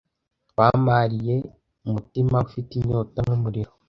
Twamariye umutima ufite inyota nkumuriro,